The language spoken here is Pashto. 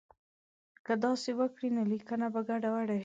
که داسې وکړي نو لیکنه به ګډوډه شي.